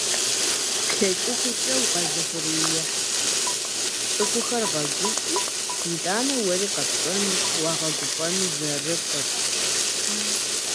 ПлъэкӀыхукӀэ укъэзыухъуреихь цӀыхухэр гъэгуфӀи, итӀанэ уэри къэпщӀэнущ уагъэгуфӀэну зэрыфӀыр.